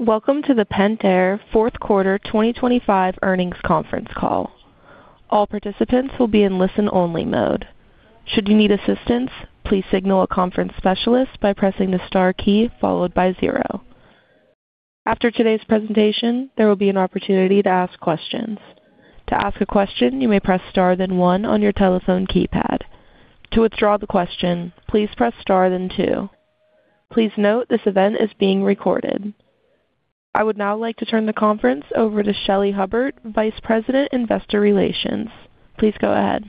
Welcome to the Pentair fourth quarter 2025 earnings conference call. All participants will be in listen-only mode. Should you need assistance, please signal a conference specialist by pressing the star key followed by 0. After today's presentation, there will be an opportunity to ask questions. To ask a question, you may press star then 1 on your telephone keypad. To withdraw the question, please press star then 2. Please note this event is being recorded. I would now like to turn the conference over to Shelly Hubbard, Vice President Investor Relations. Please go ahead.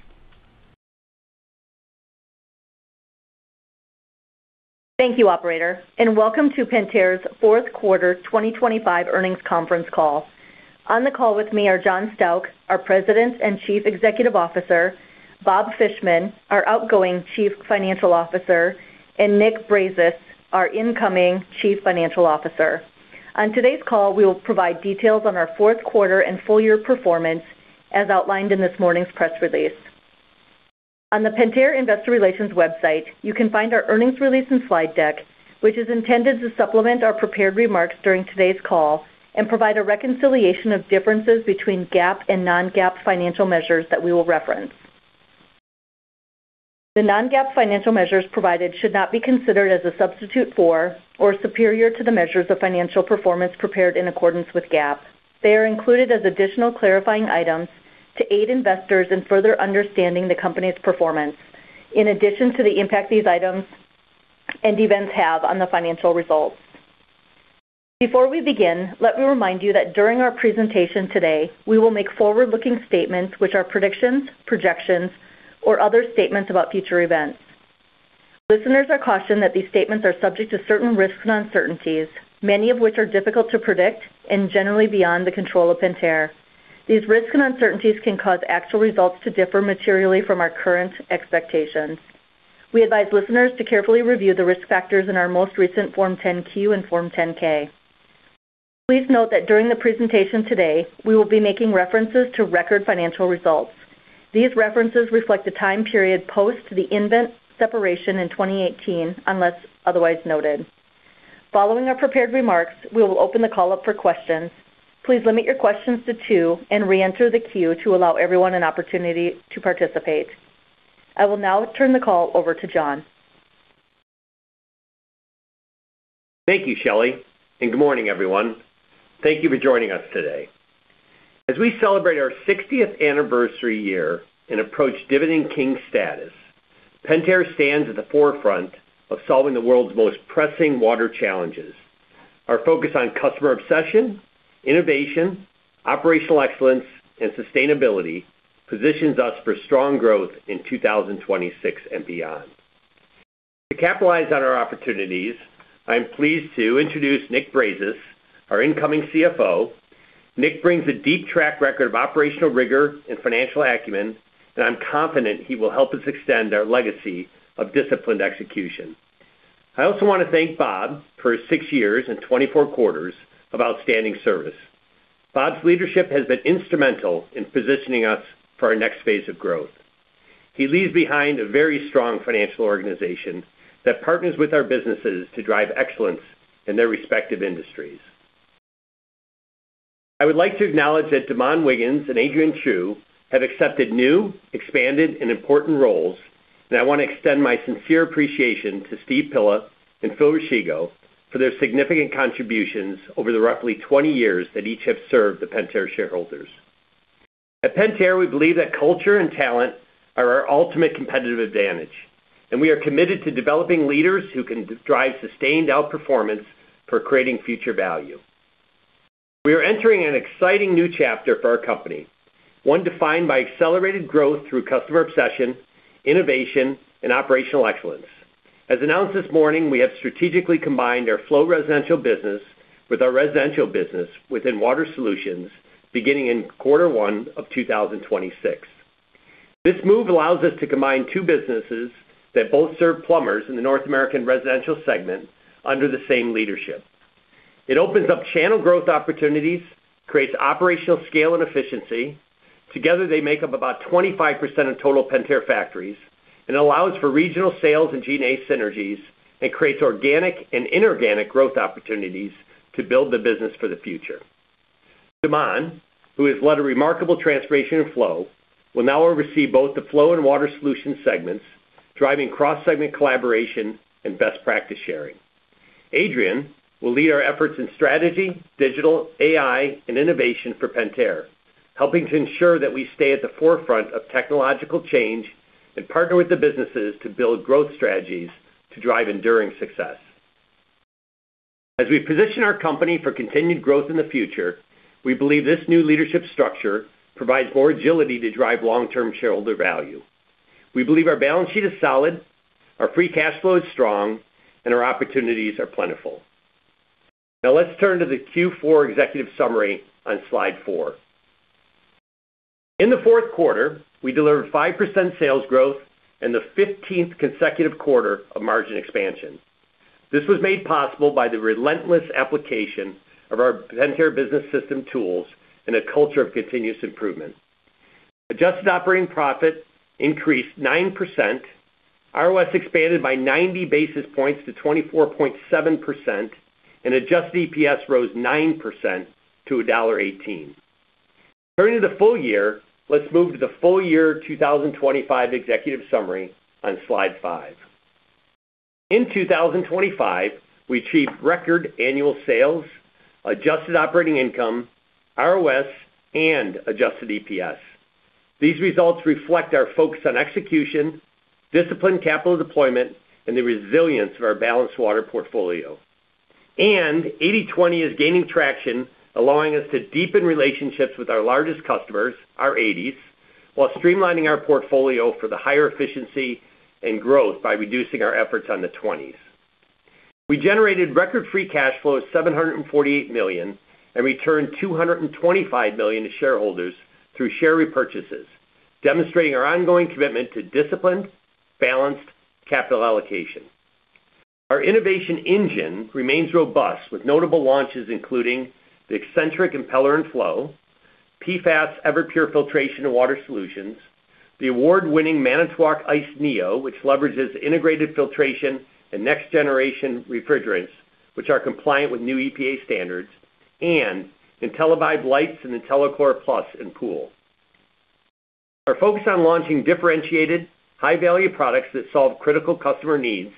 Thank you, Operator, and welcome to Pentair's fourth quarter 2025 earnings conference call. On the call with me are John Stauch, our President and Chief Executive Officer; Bob Fishman, our Outgoing Chief Financial Officer; and Nick Brazis, our Incoming Chief Financial Officer. On today's call, we will provide details on our fourth quarter and full-year performance as outlined in this morning's press release. On the Pentair Investor Relations website, you can find our earnings release and slide deck, which is intended to supplement our prepared remarks during today's call and provide a reconciliation of differences between GAAP and non-GAAP financial measures that we will reference. The non-GAAP financial measures provided should not be considered as a substitute for or superior to the measures of financial performance prepared in accordance with GAAP. They are included as additional clarifying items to aid investors in further understanding the company's performance in addition to the impact these items and events have on the financial results. Before we begin, let me remind you that during our presentation today, we will make forward-looking statements which are predictions, projections, or other statements about future events. Listeners are cautioned that these statements are subject to certain risks and uncertainties, many of which are difficult to predict and generally beyond the control of Pentair. These risks and uncertainties can cause actual results to differ materially from our current expectations. We advise listeners to carefully review the risk factors in our most recent Form 10-Q and Form 10-K. Please note that during the presentation today, we will be making references to record financial results. These references reflect the time period post the nVent separation in 2018, unless otherwise noted. Following our prepared remarks, we will open the call up for questions. Please limit your questions to 2 and reenter the Q to allow everyone an opportunity to participate. I will now turn the call over to John. Thank you, Shelly, and good morning, everyone. Thank you for joining us today. As we celebrate our 60th anniversary year and approach Dividend King status, Pentair stands at the forefront of solving the world's most pressing water challenges. Our focus on customer obsession, innovation, operational excellence, and sustainability positions us for strong growth in 2026 and beyond. To capitalize on our opportunities, I am pleased to introduce Nick Brazis, our incoming CFO. Nick brings a deep track record of operational rigor and financial acumen, and I'm confident he will help us extend our legacy of disciplined execution. I also want to thank Bob for his six years and 24 quarters of outstanding service. Bob's leadership has been instrumental in positioning us for our next phase of growth. He leaves behind a very strong financial organization that partners with our businesses to drive excellence in their respective industries. I would like to acknowledge that De'Mon Wiggins and Adrian Chiu have accepted new, expanded, and important roles, and I want to extend my sincere appreciation to Steve Pilla and Philip Rolchigo for their significant contributions over the roughly 20 years that each have served the Pentair shareholders. At Pentair, we believe that culture and talent are our ultimate competitive advantage, and we are committed to developing leaders who can drive sustained outperformance for creating future value. We are entering an exciting new chapter for our company, one defined by accelerated growth through customer obsession, innovation, and operational excellence. As announced this morning, we have strategically combined our Flow residential business with our residential business within Water Solutions beginning in quarter one of 2026. This move allows us to combine two businesses that both serve plumbers in the North American residential segment under the same leadership. It opens up channel growth opportunities, creates operational scale and efficiency. Together, they make up about 25% of total Pentair factories, and it allows for regional sales and G&A synergies and creates organic and inorganic growth opportunities to build the business for the future. De'Mon, who has led a remarkable transformation in Flow, will now oversee both the Flow and Water Solutions segments, driving cross-segment collaboration and best practice sharing. Adrian will lead our efforts in strategy, digital, AI, and innovation for Pentair, helping to ensure that we stay at the forefront of technological change and partner with the businesses to build growth strategies to drive enduring success. As we position our company for continued growth in the future, we believe this new leadership structure provides more agility to drive long-term shareholder value. We believe our balance sheet is solid, our free cash flow is strong, and our opportunities are plentiful. Now let's turn to the Q4 executive summary on slide 4. In the fourth quarter, we delivered 5% sales growth and the 15th consecutive quarter of margin expansion. This was made possible by the relentless application of our Pentair Business System tools and a culture of continuous improvement. Adjusted operating profit increased 9%, ROS expanded by 90 basis points to 24.7%, and adjusted EPS rose 9% to $1.18. Turning to the full year, let's move to the full year 2025 executive summary on slide 5. In 2025, we achieved record annual sales, adjusted operating income, ROS, and adjusted EPS. These results reflect our focus on execution, disciplined capital deployment, and the resilience of our balanced water portfolio. 80/20 is gaining traction, allowing us to deepen relationships with our largest customers, our 80s, while streamlining our portfolio for the higher efficiency and growth by reducing our efforts on the 20s. We generated record free cash flow of $748 million and returned $225 million to shareholders through share repurchases, demonstrating our ongoing commitment to disciplined, balanced capital allocation. Our innovation engine remains robust with notable launches including the Xcentric Impeller in Flow, PFAS Everpure Filtration in Water Solutions, the award-winning Manitowoc Ice NEO, which leverages integrated filtration, and next-generation refrigerants, which are compliant with new EPA standards, and IntelliVibe Lights and IntelliCore Plus in Pool. Our focus on launching differentiated, high-value products that solve critical customer needs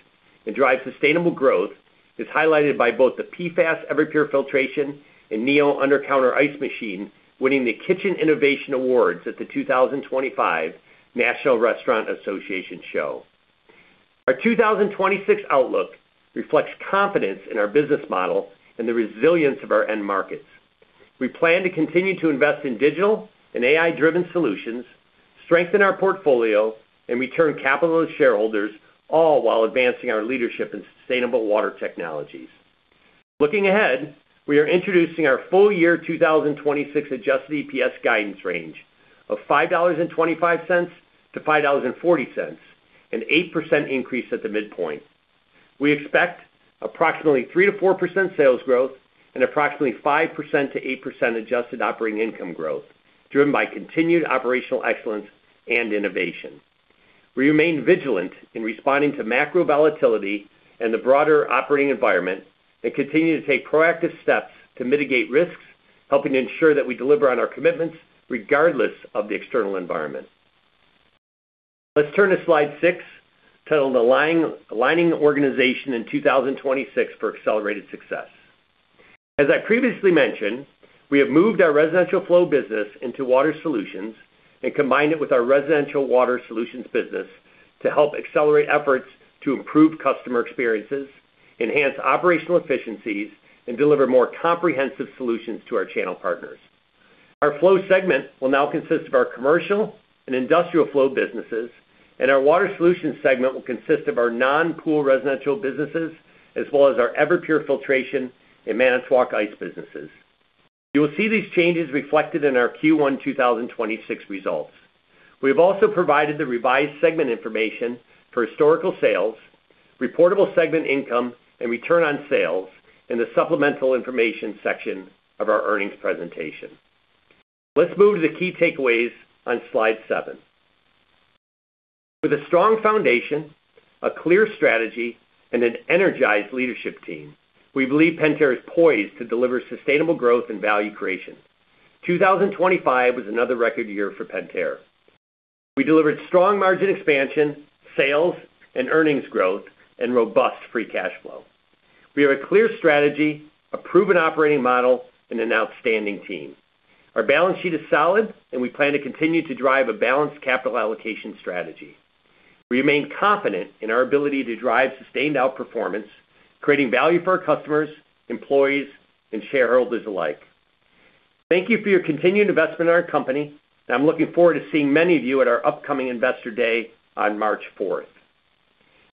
and drive sustainable growth is highlighted by both the PFAS Everpure Filtration and NEO Undercounter ice machine winning the Kitchen Innovation Awards at the 2025 National Restaurant Association Show. Our 2026 outlook reflects confidence in our business model and the resilience of our end markets. We plan to continue to invest in digital and AI-driven solutions, strengthen our portfolio, and return capital to shareholders, all while advancing our leadership in sustainable water technologies. Looking ahead, we are introducing our full year 2026 adjusted EPS guidance range of $5.25 to $5.40, an 8% increase at the midpoint. We expect approximately 3% to 4% sales growth and approximately 5% to 8% adjusted operating income growth driven by continued operational excellence and innovation. We remain vigilant in responding to macro volatility and the broader operating environment and continue to take proactive steps to mitigate risks, helping to ensure that we deliver on our commitments regardless of the external environment. Let's turn to slide 6 titled Aligning Organization in 2026 for Accelerated Success. As I previously mentioned, we have moved our Residential Flow business into Water Solutions and combined it with our residential Water Solutions business to help accelerate efforts to improve customer experiences, enhance operational efficiencies, and deliver more comprehensive solutions to our channel partners. Our flow segment will now consist of our Commercial and Industrial flow businesses, and our water solutions segment will consist of our non-Pool residential businesses as well as our Everpure Filtration and Manitowoc Ice businesses. You will see these changes reflected in our Q1 2026 results. We have also provided the revised segment information for historical sales, reportable segment income, and return on sales in the supplemental information section of our earnings presentation. Let's move to the key takeaways on slide 7. With a strong foundation, a clear strategy, and an energized leadership team, we believe Pentair is poised to deliver sustainable growth and value creation. 2025 was another record year for Pentair. We delivered strong margin expansion, sales and earnings growth, and robust free cash flow. We have a clear strategy, a proven operating model, and an outstanding team. Our balance sheet is solid, and we plan to continue to drive a balanced capital allocation strategy. We remain confident in our ability to drive sustained outperformance, creating value for our customers, employees, and shareholders alike. Thank you for your continued investment in our company, and I'm looking forward to seeing many of you at our upcoming Investor Day on March 4th.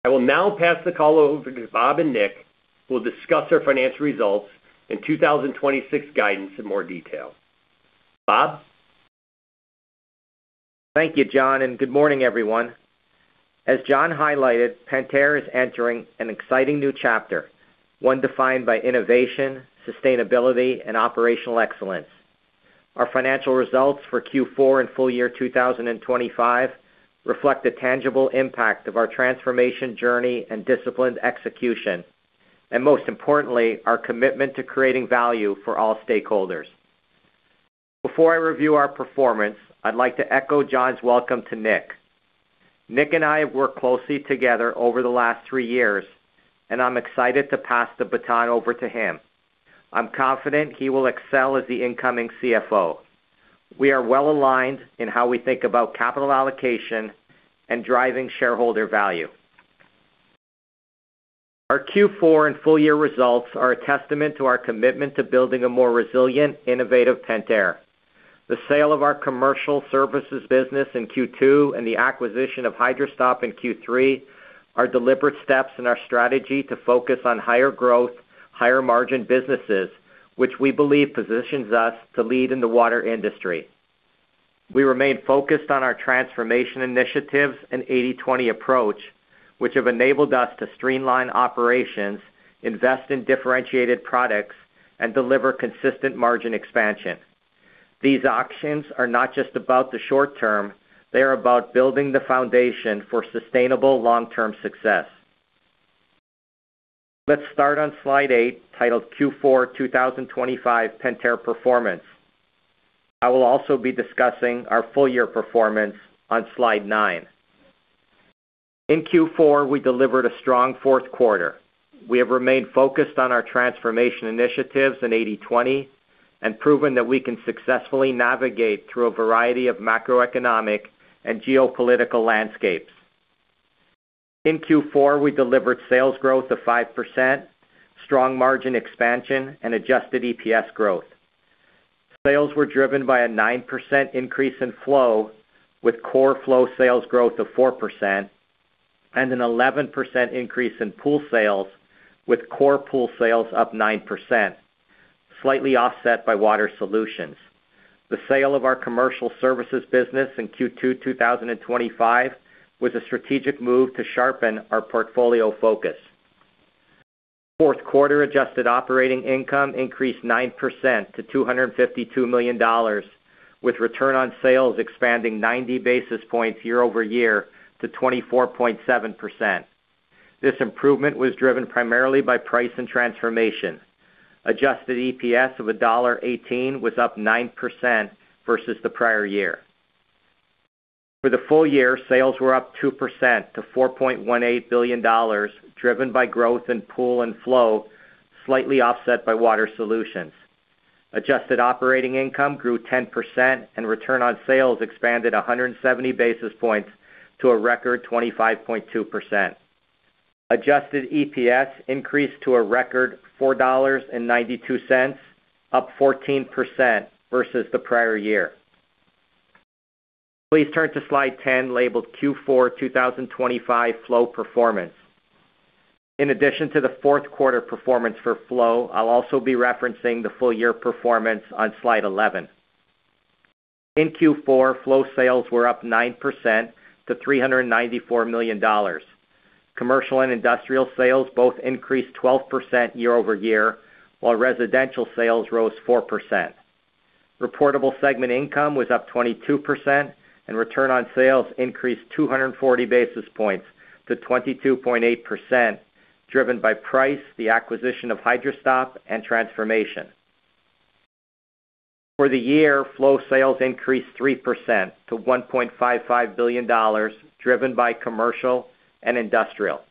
I will now pass the call over to Bob and Nick, who will discuss our financial results and 2026 guidance in more detail. Bob? Thank you, John, and good morning, everyone. As John highlighted, Pentair is entering an exciting new chapter, one defined by innovation, sustainability, and operational excellence. Our financial results for Q4 and full year 2025 reflect the tangible impact of our transformation journey and disciplined execution, and most importantly, our commitment to creating value for all stakeholders. Before I review our performance, I'd like to echo John's welcome to Nick. Nick and I have worked closely together over the last three years, and I'm excited to pass the baton over to him. I'm confident he will excel as the incoming CFO. We are well aligned in how we think about capital allocation and driving shareholder value. Our Q4 and full year results are a testament to our commitment to building a more resilient, innovative Pentair. The sale of our commercial services business in Q2 and the acquisition of Hydra-Stop in Q3 are deliberate steps in our strategy to focus on higher growth, higher margin businesses, which we believe positions us to lead in the water industry. We remain focused on our transformation initiatives and 80/20 approach, which have enabled us to streamline operations, invest in differentiated products, and deliver consistent margin expansion. These auctions are not just about the short term. They are about building the foundation for sustainable long-term success. Let's start on slide 8 titled Q4 2025 Pentair Performance. I will also be discussing our full year performance on slide 9. In Q4, we delivered a strong fourth quarter. We have remained focused on our transformation initiatives in 80/20 and proven that we can successfully navigate through a variety of macroeconomic and geopolitical landscapes. In Q4, we delivered sales growth of 5%, strong margin expansion, and adjusted EPS growth. Sales were driven by a 9% increase in flow, with core flow sales growth of 4%, and an 11% increase in Pool sales, with core Pool sales up 9%, slightly offset by Water Solutions. The sale of our commercial services business in Q2 2025 was a strategic move to sharpen our portfolio focus. Fourth quarter adjusted operating income increased 9% to $252 million, with return on sales expanding 90 basis points year-over-year to 24.7%. This improvement was driven primarily by price and transformation. Adjusted EPS of $1.18 was up 9% versus the prior year. For the full year, sales were up 2% to $4.18 billion, driven by growth in Pool and flow, slightly offset by Water Solutions. Adjusted operating income grew 10%, and return on sales expanded 170 basis points to a record 25.2%. Adjusted EPS increased to a record $4.92, up 14% versus the prior year. Please turn to slide 10 labeled Q4 2025 Flow Performance. In addition to the fourth quarter performance for flow, I'll also be referencing the full year performance on slide 11. In Q4, flow sales were up 9% to $394 million. Commercial and industrial sales both increased 12% year-over-year, while residential sales rose 4%. Reportable segment income was up 22%, and return on sales increased 240 basis points to 22.8%, driven by price, the acquisition of Hydra-Stop, and transformation. For the year, flow sales increased 3% to $1.55 billion, driven by commercial and industrial.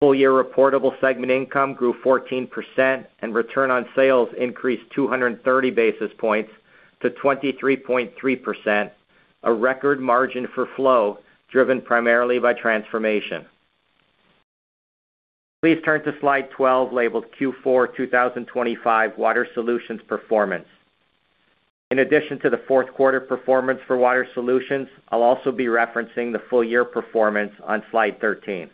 Full year reportable segment income grew 14%, and return on sales increased 230 basis points to 23.3%, a record margin for flow driven primarily by transformation. Please turn to slide 12 labeled Q4 2025 Water Solutions Performance. In addition to the fourth quarter performance for Water Solutions, I'll also be referencing the full year performance on slide 13.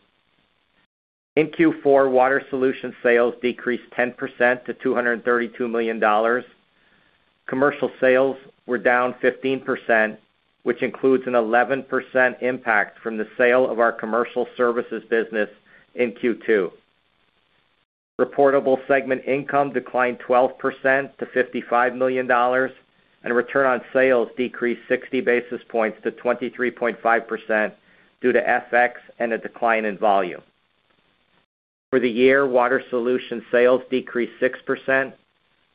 In Q4, Water Solutions sales decreased 10% to $232 million. Commercial sales were down 15%, which includes an 11% impact from the sale of our commercial services business in Q2. Reportable segment income declined 12% to $55 million, and return on sales decreased 60 basis points to 23.5% due to FX and a decline in volume. For the year, Water Solutions sales decreased 6%.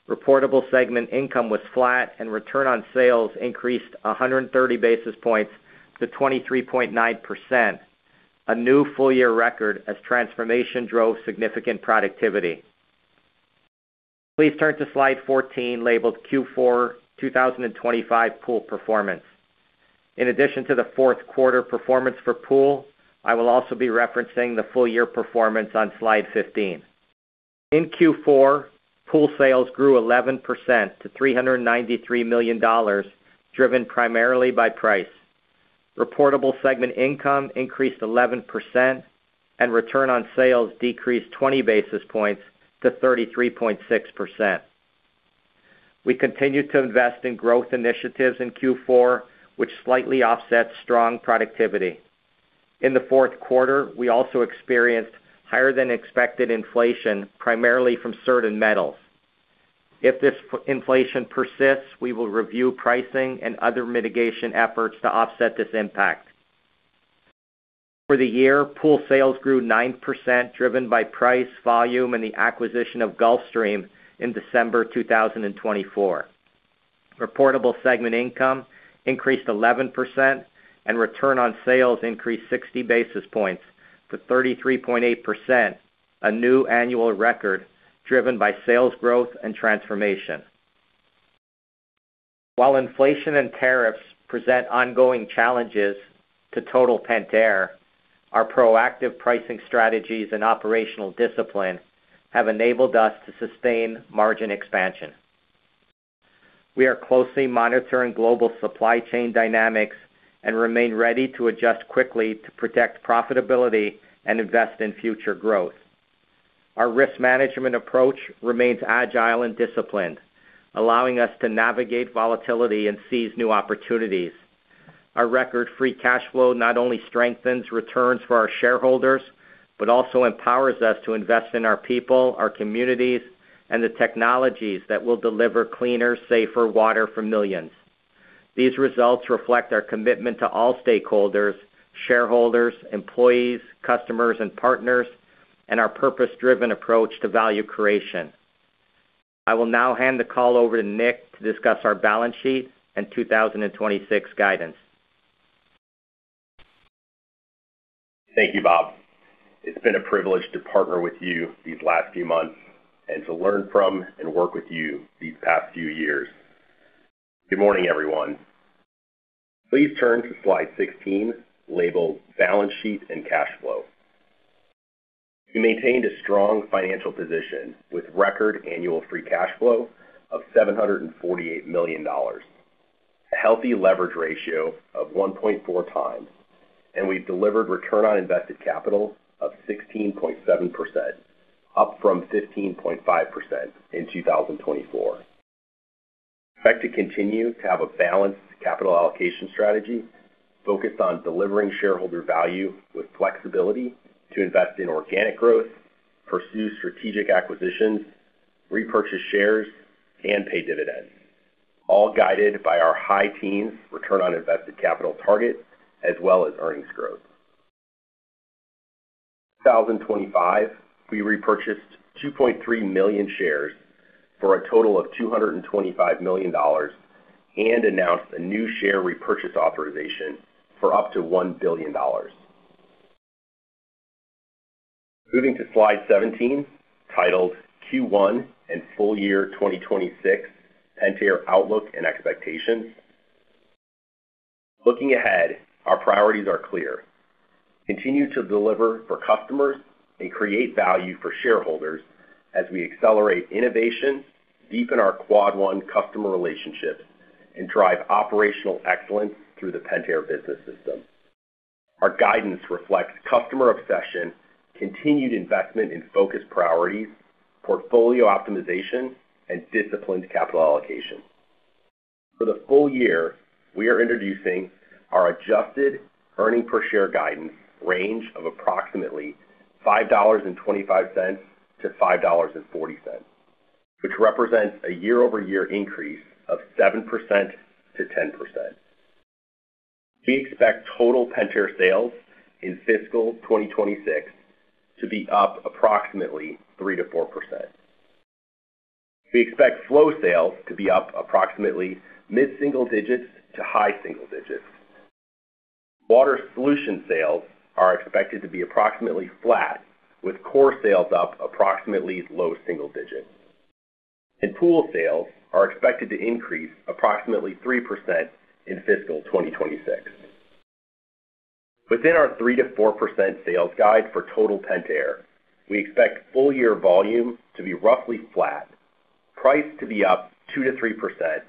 Reportable segment income was flat, and return on sales increased 130 basis points to 23.9%, a new full year record as transformation drove significant productivity. Please turn to slide 14 labeled Q4 2025 Pool Performance. In addition to the fourth quarter performance for Pool, I will also be referencing the full year performance on slide 15. In Q4, Pool sales grew 11% to $393 million, driven primarily by price. Reportable segment income increased 11%, and return on sales decreased 20 basis points to 33.6%. We continue to invest in growth initiatives in Q4, which slightly offset strong productivity. In the fourth quarter, we also experienced higher-than-expected inflation, primarily from certain metals. If this inflation persists, we will review pricing and other mitigation efforts to offset this impact. For the year, Pool sales grew 9%, driven by price, volume, and the acquisition of Gulfstream in December 2024. Reportable segment income increased 11%, and return on sales increased 60 basis points to 33.8%, a new annual record driven by sales growth and transformation. While inflation and tariffs present ongoing challenges to total Pentair, our proactive pricing strategies and operational discipline have enabled us to sustain margin expansion. We are closely monitoring global supply chain dynamics and remain ready to adjust quickly to protect profitability and invest in future growth. Our risk management approach remains agile and disciplined, allowing us to navigate volatility and seize new opportunities. Our record free cash flow not only strengthens returns for our shareholders but also empowers us to invest in our people, our communities, and the technologies that will deliver cleaner, safer water for millions. These results reflect our commitment to all stakeholders, shareholders, employees, customers, and partners, and our purpose-driven approach to value creation. I will now hand the call over to Nick to discuss our balance sheet and 2026 guidance. Thank you, Bob. It's been a privilege to partner with you these last few months and to learn from and work with you these past few years. Good morning, everyone. Please turn to slide 16 labeled Balance Sheet and Cash Flow. We maintained a strong financial position with record annual free cash flow of $748 million, a healthy leverage ratio of 1.4 times, and we've delivered return on invested capital of 16.7%, up from 15.5% in 2024. We expect to continue to have a balanced capital allocation strategy focused on delivering shareholder value with flexibility to invest in organic growth, pursue strategic acquisitions, repurchase shares, and pay dividends, all guided by our high teens return on invested capital target as well as earnings growth. In 2025, we repurchased 2.3 million shares for a total of $225 million and announced a new share repurchase authorization for up to $1 billion. Moving to slide 17 titled Q1 and Full Year 2026 Pentair Outlook and Expectations. Looking ahead, our priorities are clear: continue to deliver for customers and create value for shareholders as we accelerate innovation, deepen our Quad 1 customer relationships, and drive operational excellence through the Pentair Business System. Our guidance reflects customer obsession, continued investment in focused priorities, portfolio optimization, and disciplined capital allocation. For the full year, we are introducing our adjusted earnings per share guidance range of approximately $5.25 to $5.40, which represents a year-over-year increase of 7% to 10%. We expect total Pentair sales in fiscal 2026 to be up approximately 3% to 4%. We expect flow sales to be up approximately mid-single digits to high single digits. Water Solutions sales are expected to be approximately flat, with core sales up approximately low single digits. Pool sales are expected to increase approximately 3% in fiscal 2026. Within our 3% to 4% sales guide for total Pentair, we expect full year volume to be roughly flat, price to be up 2% to 3%,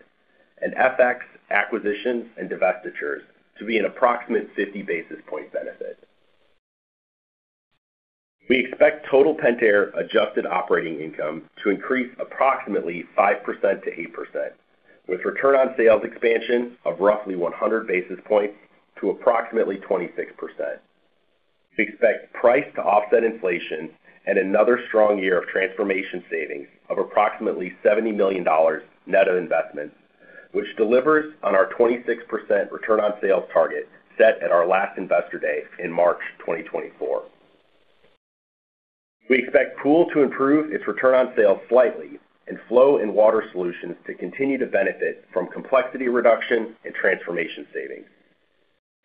and FX acquisitions and divestitures to be an approximate 50 basis point benefit. We expect total Pentair adjusted operating income to increase approximately 5% to 8%, with return on sales expansion of roughly 100 basis points to approximately 26%. We expect price to offset inflation and another strong year of transformation savings of approximately $70 million net of investments, which delivers on our 26% return on sales target set at our last investor day in March 2024. We expect Pool to improve its return on sales slightly, and flow in Water Solutions to continue to benefit from complexity reduction and transformation savings.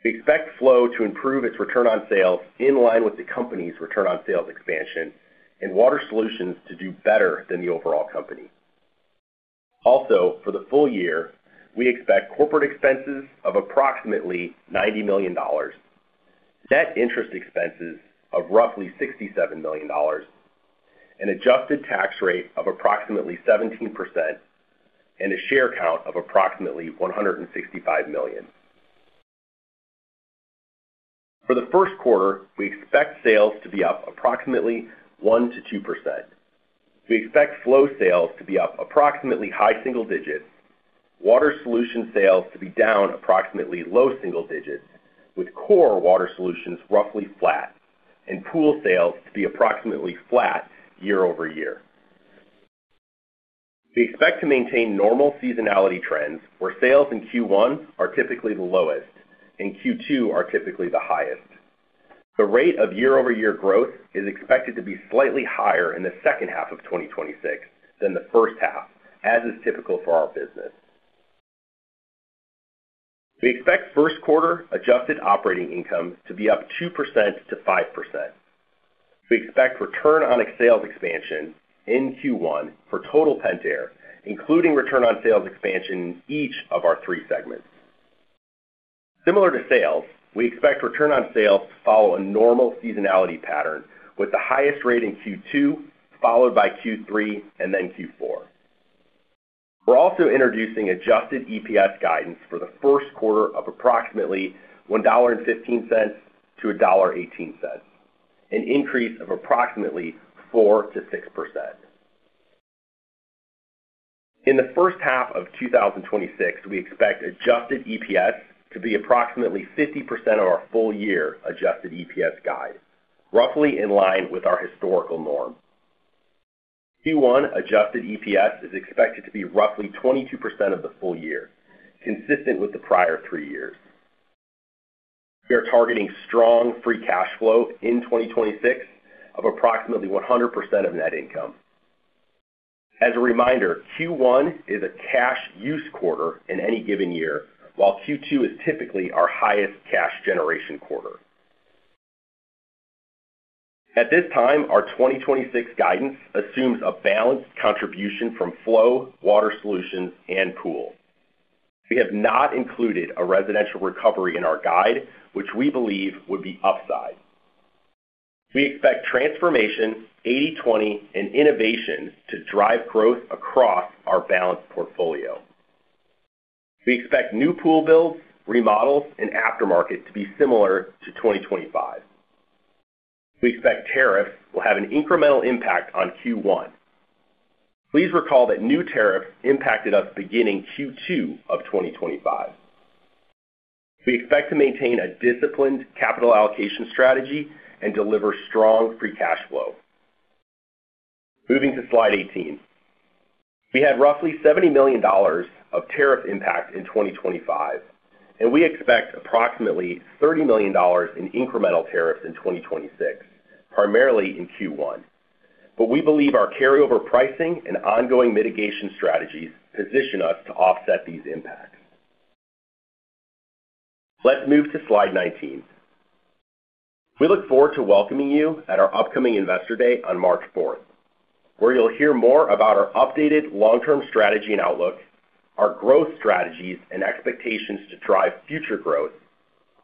We expect Flow to improve its return on sales in line with the company's return on sales expansion, and Water Solutions to do better than the overall company. Also, for the full year, we expect corporate expenses of approximately $90 million, net interest expenses of roughly $67 million, an adjusted tax rate of approximately 17%, and a share count of approximately 165 million. For the first quarter, we expect sales to be up approximately 1%-2%. We expect Flow sales to be up approximately high single digits, Water Solutions sales to be down approximately low single digits, with core Water Solutions roughly flat, and Pool sales to be approximately flat year-over-year. We expect to maintain normal seasonality trends where sales in Q1 are typically the lowest and Q2 are typically the highest. The rate of year-over-year growth is expected to be slightly higher in the second half of 2026 than the first half, as is typical for our business. We expect first quarter adjusted operating income to be up 2% to 5%. We expect return on sales expansion in Q1 for total Pentair, including return on sales expansion in each of our three segments. Similar to sales, we expect return on sales to follow a normal seasonality pattern, with the highest rate in Q2, followed by Q3, and then Q4. We're also introducing adjusted EPS guidance for the first quarter of approximately $1.15 to $1.18, an increase of approximately 4% to 6%. In the first half of 2026, we expect adjusted EPS to be approximately 50% of our full year adjusted EPS guide, roughly in line with our historical norm. Q1 adjusted EPS is expected to be roughly 22% of the full year, consistent with the prior three years. We are targeting strong free cash flow in 2026 of approximately 100% of net income. As a reminder, Q1 is a cash use quarter in any given year, while Q2 is typically our highest cash generation quarter. At this time, our 2026 guidance assumes a balanced contribution from flow, Water Solutions, and Pool. We have not included a residential recovery in our guide, which we believe would be upside. We expect transformation, 80/20, and innovation to drive growth across our balanced portfolio. We expect new Pool builds, remodels, and aftermarket to be similar to 2025. We expect tariffs will have an incremental impact on Q1. Please recall that new tariffs impacted us beginning Q2 of 2025. We expect to maintain a disciplined capital allocation strategy and deliver strong free cash flow. Moving to slide 18. We had roughly $70 million of tariff impact in 2025, and we expect approximately $30 million in incremental tariffs in 2026, primarily in Q1. But we believe our carryover pricing and ongoing mitigation strategies position us to offset these impacts. Let's move to slide 19. We look forward to welcoming you at our upcoming investor day on March 4th, where you'll hear more about our updated long-term strategy and outlook, our growth strategies and expectations to drive future growth,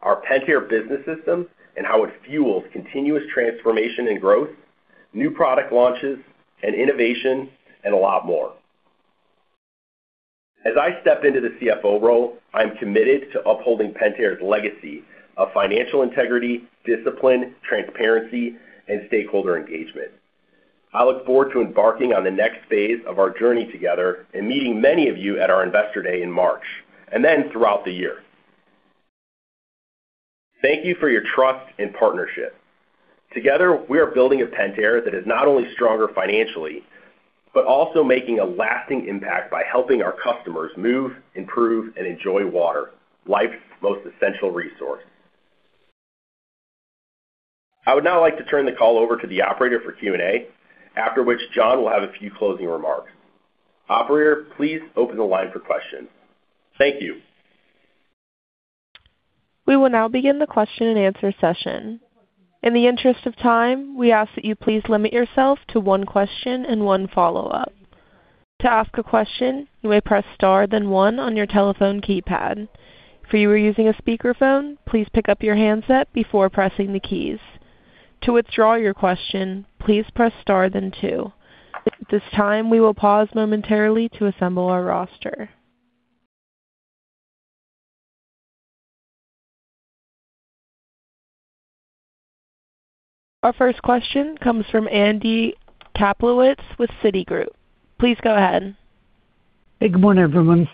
our Pentair Business System and how it fuels continuous transformation and growth, new product launches and innovation, and a lot more. As I step into the CFO role, I'm committed to upholding Pentair's legacy of financial integrity, discipline, transparency, and stakeholder engagement. I look forward to embarking on the next phase of our journey together and meeting many of you at our investor day in March and then throughout the year. Thank you for your trust and partnership. Together, we are building a Pentair that is not only stronger financially but also making a lasting impact by helping our customers move, improve, and enjoy water, life's most essential resource. I would now like to turn the call over to the operator for Q&A, after which John will have a few closing remarks. Operator, please open the line for questions. Thank you. We will now begin the question and answer session. In the interest of time, we ask that you please limit yourself to one question and one follow-up. To ask a question, you may press star then one on your telephone keypad. If you are using a speakerphone, please pick up your handset before pressing the keys. To withdraw your question, please press star then two. At this time, we will pause momentarily to assemble our roster. Our first question comes from Andy Kaplowitz with Citigroup. Please go ahead. Good morning, everyone.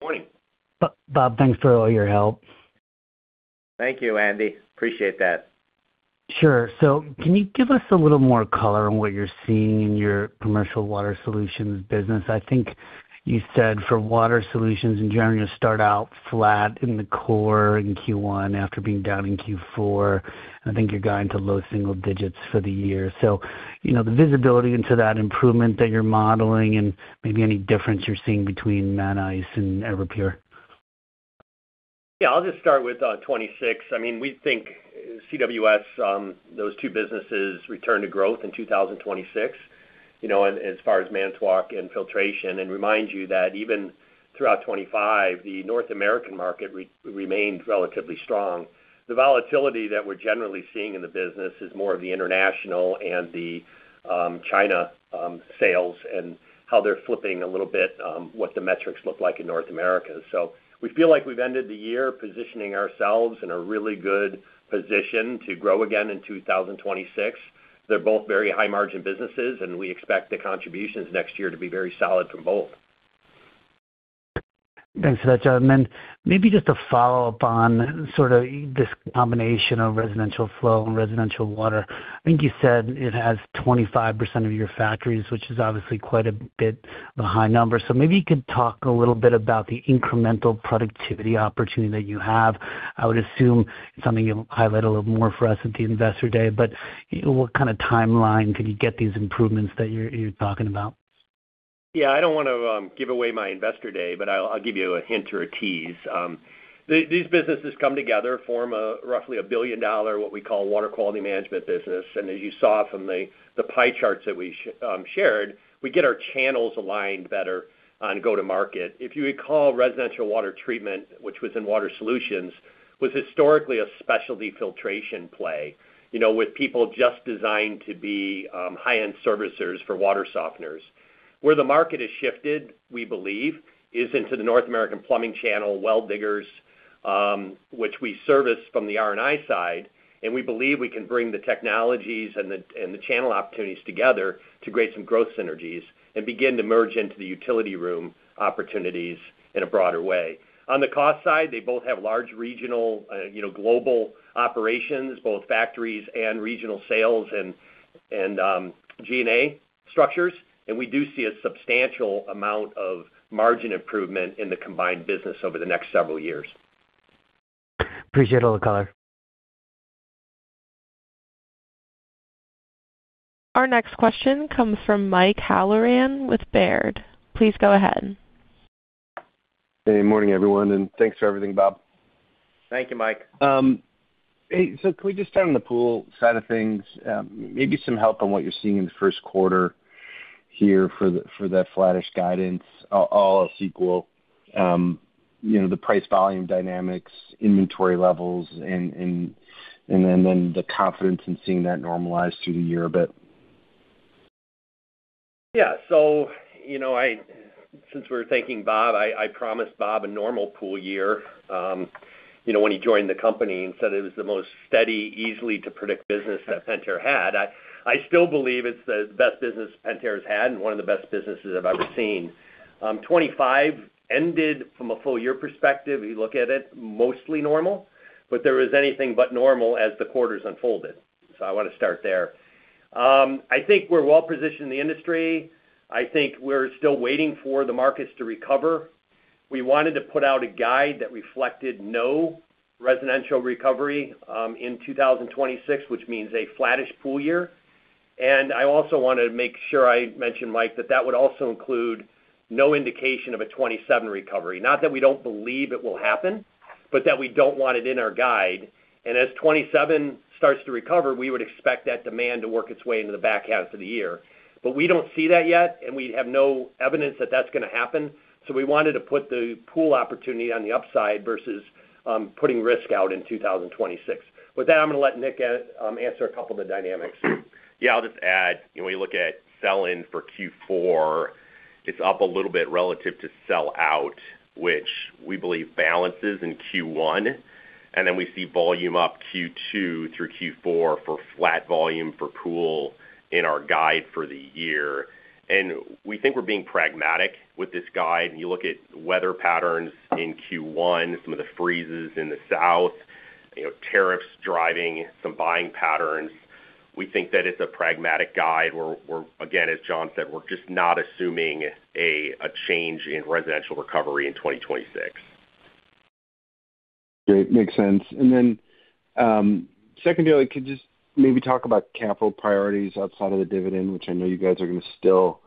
Morning. Bob, thanks for all your help. Thank you, Andy. Appreciate that. Sure. So can you give us a little more color on what you're seeing in your commercial Water Solutions business? I think you said for Water Solutions in general, you start out flat in the core in Q1 after being down in Q4. I think you're going to low single digits for the year. So the visibility into that improvement that you're modeling and maybe any difference you're seeing between Manitowoc and Everpure? Yeah. I'll just start with 2026. I mean, we think CWS, those two businesses, returned to growth in 2026 as far as membrane filtration. And remind you that even throughout 2025, the North American market remained relatively strong. The volatility that we're generally seeing in the business is more of the international and the China sales and how they're flipping a little bit what the metrics look like in North America. So we feel like we've ended the year positioning ourselves in a really good position to grow again in 2026. They're both very high-margin businesses, and we expect the contributions next year to be very solid from both. Thanks for that, John. Then maybe just to follow up on sort of this combination of residential flow and residential water. I think you said it has 25% of your factories, which is obviously quite a bit of a high number. Maybe you could talk a little bit about the incremental productivity opportunity that you have. I would assume it's something you'll highlight a little more for us at the investor day. What kind of timeline can you get these improvements that you're talking about? Yeah. I don't want to give away my investor day, but I'll give you a hint or a tease. These businesses come together, form roughly $1 billion, what we call water quality management business. And as you saw from the pie charts that we shared, we get our channels aligned better on go-to-market. If you recall, residential water treatment, which was in Water Solutions, was historically a specialty filtration play with people just designed to be high-end servicers for water softeners. Where the market has shifted, we believe, is into the North American plumbing channel, well diggers, which we service from the R&I side. And we believe we can bring the technologies and the channel opportunities together to create some growth synergies and begin to merge into the utility room opportunities in a broader way. On the cost side, they both have large regional, global operations, both factories and regional sales and G&A structures. We do see a substantial amount of margin improvement in the combined business over the next several years. Appreciate all the color. Our next question comes from Mike Halloran with Baird. Please go ahead. Hey. Morning, everyone. Thanks for everything, Bob. Thank you, Mike. Can we just start on the Pool side of things? Maybe some help on what you're seeing in the first quarter here for that flattish guidance, all else equal, the price volume dynamics, inventory levels, and then the confidence in seeing that normalize through the year a bit. Yeah. So since we're thinking Bob, I promised Bob a normal Pool year when he joined the company and said it was the most steady, easy to predict business that Pentair had. I still believe it's the best business Pentair has had and one of the best businesses I've ever seen. 2025 ended, from a full year perspective, if you look at it, mostly normal. But there was anything but normal as the quarters unfolded. So I want to start there. I think we're well positioned in the industry. I think we're still waiting for the markets to recover. We wanted to put out a guide that reflected no residential recovery in 2026, which means a flattish Pool year. And I also wanted to make sure I mentioned, Mike, that that would also include no indication of a 2027 recovery. Not that we don't believe it will happen, but that we don't want it in our guide. As 2027 starts to recover, we would expect that demand to work its way into the back half of the year. We don't see that yet, and we have no evidence that that's going to happen. We wanted to put the Pool opportunity on the upside versus putting risk out in 2026. With that, I'm going to let Nick answer a couple of the dynamics. Yeah. I'll just add, when you look at sell-in for Q4, it's up a little bit relative to sell-out, which we believe balances in Q1. And then we see volume up Q2 through Q4 for flat volume for Pool in our guide for the year. And we think we're being pragmatic with this guide. And you look at weather patterns in Q1, some of the freezes in the south, tariffs driving some buying patterns, we think that it's a pragmatic guide where, again, as John said, we're just not assuming a change in residential recovery in 2026. Great. Makes sense. And then secondarily, could you just maybe talk about capital priorities outside of the dividend, which I know you guys are going to still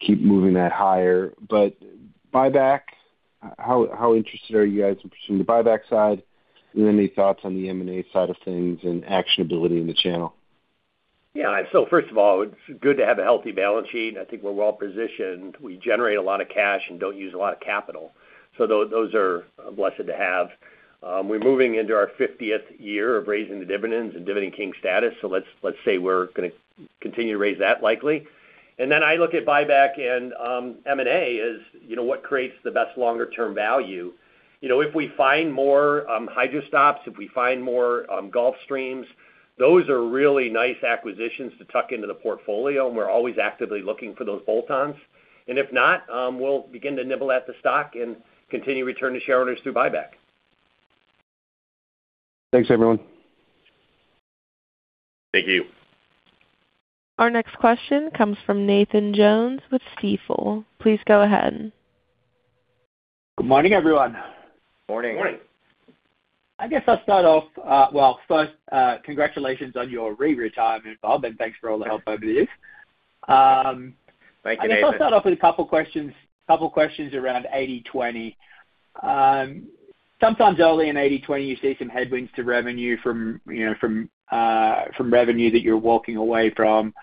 keep moving that higher? But buyback, how interested are you guys in pursuing the buyback side? And then any thoughts on the M&A side of things and actionability in the channel? Yeah. So first of all, it's good to have a healthy balance sheet. I think we're well positioned. We generate a lot of cash and don't use a lot of capital. So those are blessed to have. We're moving into our 50th year of raising the dividends and Dividend King status. So let's say we're going to continue to raise that likely. And then I look at buyback and M&A as what creates the best longer-term value. If we find more Hydra-Stops, if we find more GulfStreams, those are really nice acquisitions to tuck into the portfolio, and we're always actively looking for those bolt-ons. And if not, we'll begin to nibble at the stock and continue return to shareholders through buyback. Thanks, everyone. Thank you. Our next question comes from Nathan Jones with Stifel. Please go ahead. Good morning, everyone. Morning. Morning. I guess I'll start off well, first, congratulations on your re-retirement, Bob, and thanks for all the help over the years. Thank you, Nathan. I guess I'll start off with a couple of questions around 80/20. Sometimes early in 80/20, you see some headwinds to revenue from revenue that you're walking away from.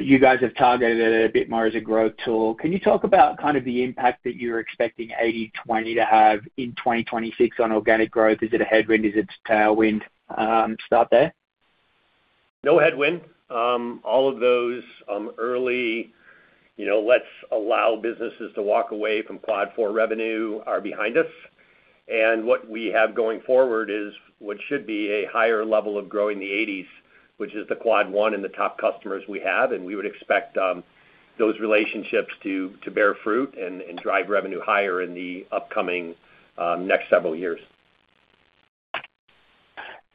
You guys have targeted it a bit more as a growth tool. Can you talk about kind of the impact that you're expecting 80/20 to have in 2026 on organic growth? Is it a headwind? Is it a tailwind? Start there. No headwind. All of those early efforts to allow businesses to walk away from Quad 4 revenue are behind us. And what we have going forward is what should be a higher level of growing the 80s, which is the Quad 1 and the top customers we have. And we would expect those relationships to bear fruit and drive revenue higher in the upcoming next several years.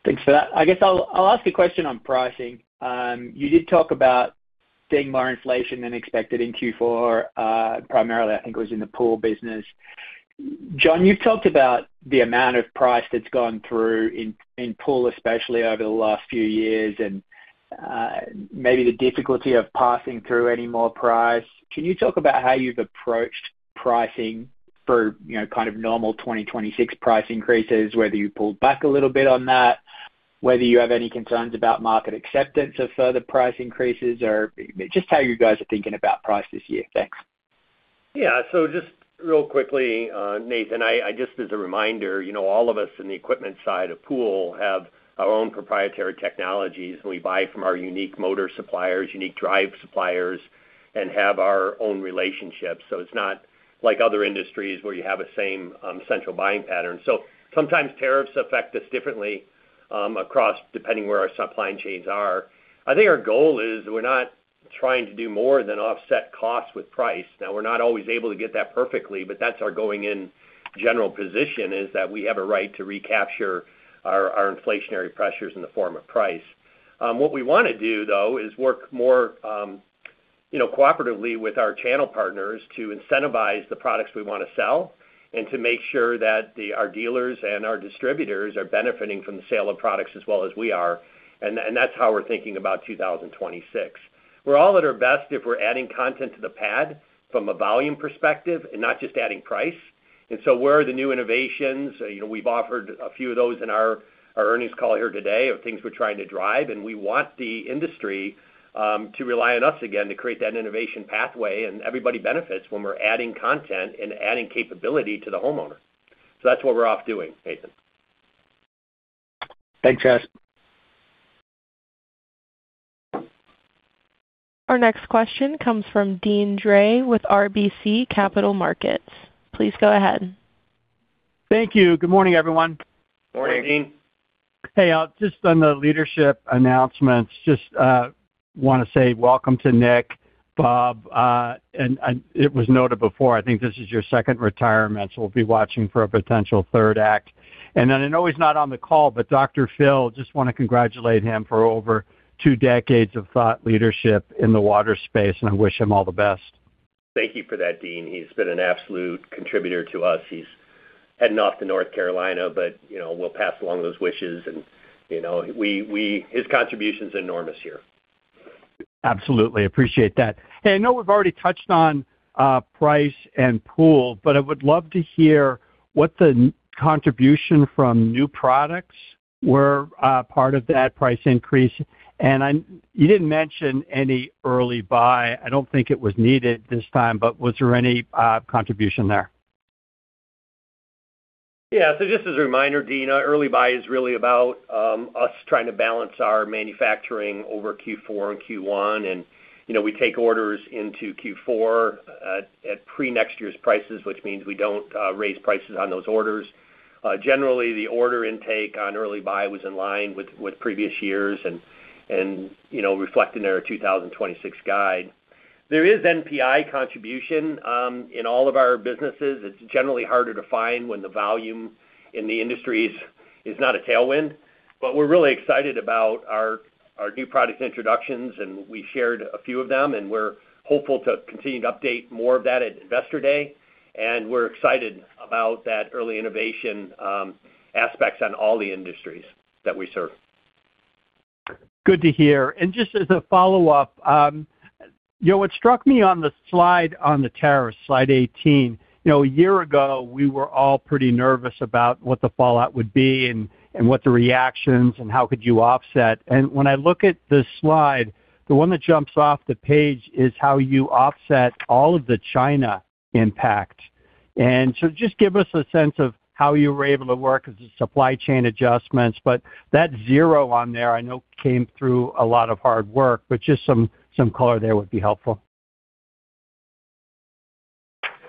Thanks for that. I guess I'll ask a question on pricing. You did talk about seeing more inflation than expected in Q4, primarily, I think it was in the Pool business. John, you've talked about the amount of price that's gone through in Pool, especially over the last few years, and maybe the difficulty of passing through any more price. Can you talk about how you've approached pricing through kind of normal 2026 price increases, whether you pulled back a little bit on that, whether you have any concerns about market acceptance of further price increases, or just how you guys are thinking about price this year? Thanks. Yeah. So just real quickly, Nathan, just as a reminder, all of us in the equipment side of Pool have our own proprietary technologies. We buy from our unique motor suppliers, unique drive suppliers, and have our own relationships. So it's not like other industries where you have the same central buying pattern. So sometimes tariffs affect us differently depending where our supply chains are. I think our goal is we're not trying to do more than offset costs with price. Now, we're not always able to get that perfectly, but that's our going-in general position, is that we have a right to recapture our inflationary pressures in the form of price. What we want to do, though, is work more cooperatively with our channel partners to incentivize the products we want to sell and to make sure that our dealers and our distributors are benefiting from the sale of products as well as we are. That's how we're thinking about 2026. We're all at our best if we're adding content to the pad from a volume perspective and not just adding price. So where are the new innovations? We've offered a few of those in our earnings call here today of things we're trying to drive. We want the industry to rely on us again to create that innovation pathway. Everybody benefits when we're adding content and adding capability to the homeowner. That's what we're off doing, Nathan. Thanks, Jess. Our next question comes from Deane Dray with RBC Capital Markets. Please go ahead. Thank you. Good morning, everyone. Morning, Dean. Hey. Just on the leadership announcements, just want to say welcome to Nick, Bob. It was noted before. I think this is your second retirement, so we'll be watching for a potential third act. Then it's always not on the call, but Dr. Phil, just want to congratulate him for over two decades of thought leadership in the water space, and I wish him all the best. Thank you for that, Deane. He's been an absolute contributor to us. He's heading off to North Carolina, but we'll pass along those wishes. His contribution is enormous here. Absolutely. Appreciate that. Hey, I know we've already touched on price and Pool, but I would love to hear what the contribution from new products were part of that price increase. And you didn't mention any early buy. I don't think it was needed this time, but was there any contribution there? Yeah. So just as a reminder, Deane, early buy is really about us trying to balance our manufacturing over Q4 and Q1. And we take orders into Q4 at pre-next year's prices, which means we don't raise prices on those orders. Generally, the order intake on early buy was in line with previous years and reflected in our 2026 guide. There is NPI contribution in all of our businesses. It's generally harder to find when the volume in the industries is not a tailwind. But we're really excited about our new product introductions, and we shared a few of them. And we're hopeful to continue to update more of that at investor day. And we're excited about that early innovation aspects on all the industries that we serve. Good to hear. Just as a follow-up, what struck me on the slide on the tariffs, slide 18, a year ago, we were all pretty nervous about what the fallout would be and what the reactions and how could you offset. When I look at this slide, the one that jumps off the page is how you offset all of the China impact. So just give us a sense of how you were able to work as a supply chain adjustments. But that 0 on there, I know, came through a lot of hard work, but just some color there would be helpful.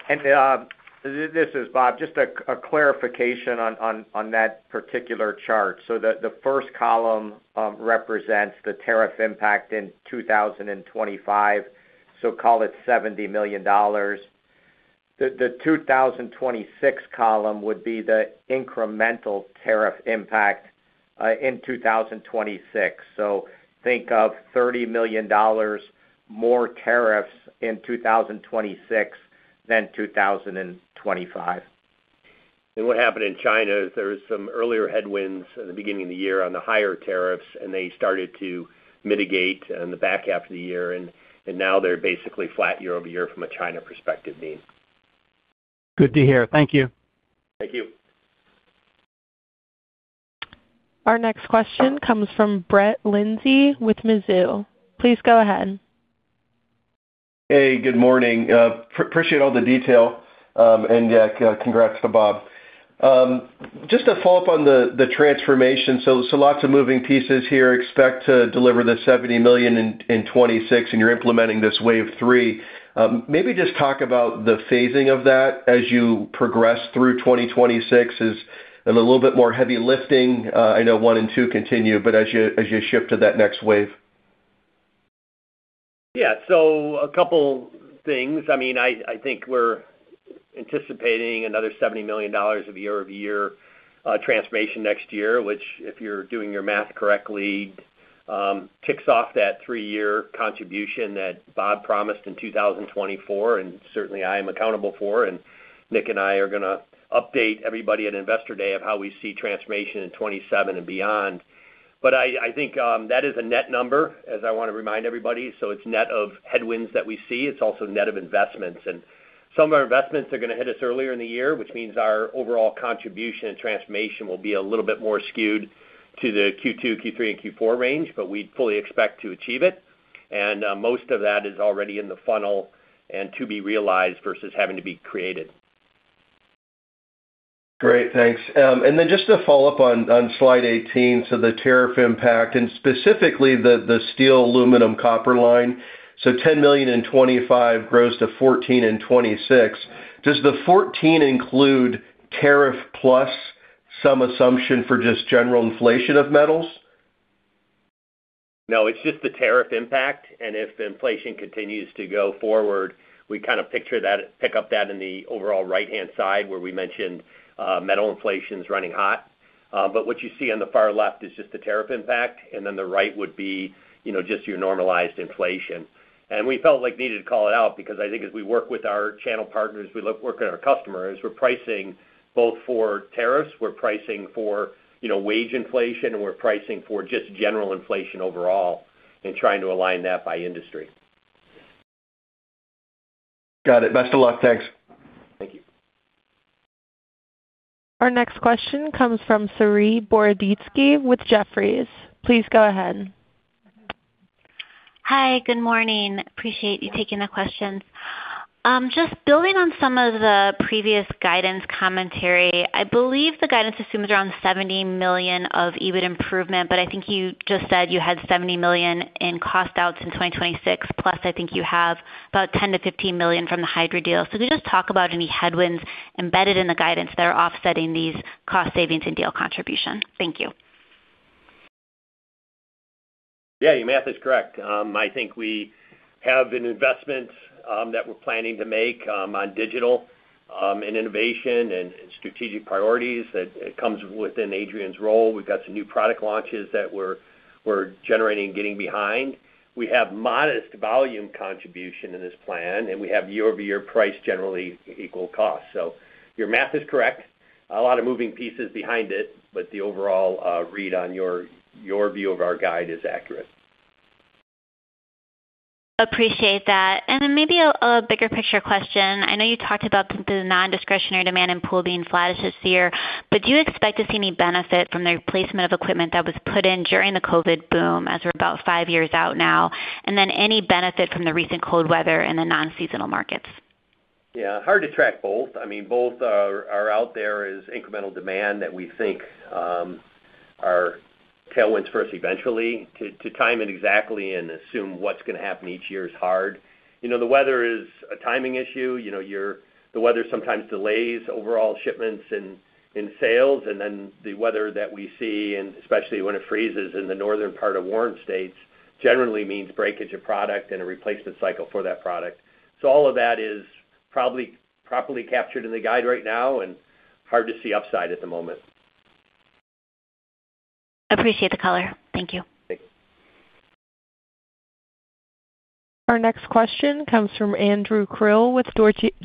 This is, Bob, just a clarification on that particular chart. The first column represents the tariff impact in 2025, so call it $70 million. The 2026 column would be the incremental tariff impact in 2026. Think of $30 million more tariffs in 2026 than 2025. What happened in China is there were some earlier headwinds at the beginning of the year on the higher tariffs, and they started to mitigate in the back half of the year. And now they're basically flat year-over-year from a China perspective, Dean. Good to hear. Thank you. Thank you. Our next question comes from Brett Linzey with Mizuho. Please go ahead. Hey. Good morning. Appreciate all the detail. Congrats to Bob. Just to follow up on the transformation, so lots of moving pieces here. Expect to deliver the $70 million in 2026, and you're implementing this wave three. Maybe just talk about the phasing of that as you progress through 2026. Is it a little bit more heavy lifting? I know one and two continue, but as you shift to that next wave. Yeah. So a couple of things. I mean, I think we're anticipating another $70 million of year-over-year transformation next year, which, if you're doing your math correctly, ticks off that three-year contribution that Bob promised in 2024, and certainly, I am accountable for. And Nick and I are going to update everybody at investor day of how we see transformation in 2027 and beyond. But I think that is a net number, as I want to remind everybody. So it's net of headwinds that we see. It's also net of investments. And some of our investments are going to hit us earlier in the year, which means our overall contribution and transformation will be a little bit more skewed to the Q2, Q3, and Q4 range, but we fully expect to achieve it. Most of that is already in the funnel and to be realized versus having to be created. Great. Thanks. And then just to follow up on slide 18, so the tariff impact and specifically the steel, aluminum, copper line, so $10 million in 2025 grows to $14 million in 2026. Does the 14 include tariff plus some assumption for just general inflation of metals? No. It's just the tariff impact. If inflation continues to go forward, we kind of pick up that in the overall right-hand side where we mentioned metal inflation is running hot. But what you see on the far left is just the tariff impact, and then the right would be just your normalized inflation. We felt like we needed to call it out because I think as we work with our channel partners, we work with our customers, we're pricing both for tariffs, we're pricing for wage inflation, and we're pricing for just general inflation overall and trying to align that by industry. Got it. Best of luck. Thanks. Thank you. Our next question comes from Saree Boroditsky with Jefferies. Please go ahead. Hi. Good morning. Appreciate you taking the questions. Just building on some of the previous guidance commentary, I believe the guidance assumes around $70 million of EBIT improvement, but I think you just said you had $70 million in cost outs in 2026, plus I think you have about $10 million-$15 million from the hydro deal. So could you just talk about any headwinds embedded in the guidance that are offsetting these cost savings and deal contribution? Thank you. Yeah. Your math is correct. I think we have an investment that we're planning to make on digital and innovation and strategic priorities that comes within Adrian's role. We've got some new product launches that we're generating and getting behind. We have modest volume contribution in this plan, and we have year-over-year price generally equal costs. So your math is correct. A lot of moving pieces behind it, but the overall read on your view of our guide is accurate. Appreciate that. And then maybe a bigger picture question. I know you talked about the nondiscretionary demand in Pool being flattest this year, but do you expect to see any benefit from the replacement of equipment that was put in during the COVID boom as we're about five years out now, and then any benefit from the recent cold weather in the non-seasonal markets? Yeah. Hard to track both. I mean, both are out there as incremental demand that we think are tailwinds first, eventually. To time it exactly and assume what's going to happen each year is hard. The weather is a timing issue. The weather sometimes delays overall shipments and sales, and then the weather that we see, and especially when it freezes in the northern part of the United States, generally means breakage of product and a replacement cycle for that product. So all of that is probably properly captured in the guide right now and hard to see upside at the moment. Appreciate the color. Thank you. Thanks. Our next question comes from Andrew Krill with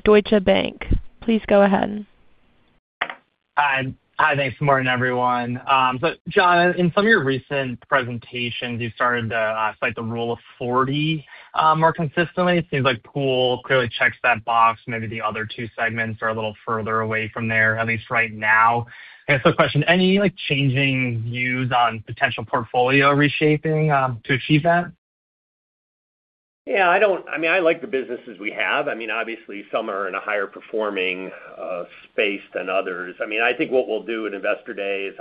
Deutsche Bank. Please go ahead. Hi. Hi, thanks this morning, everyone. So John, in some of your recent presentations, you started to cite the rule of 40 more consistently. It seems like Pool clearly checks that box. Maybe the other two segments are a little further away from there, at least right now. And so, question: any changing views on potential portfolio reshaping to achieve that? Yeah. I mean, I like the businesses we have. I mean, obviously, some are in a higher performing space than others. I mean, I think what we'll do at investor day is